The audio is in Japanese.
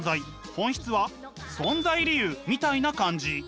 「本質」は存在理由みたいな感じ。